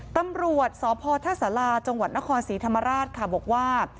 ตำรวจสพท่าสาราจังหวัดนครศรีธรรมราชค่ะบอกว่า